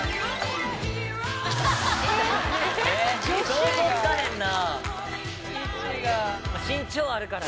想像つかへんな。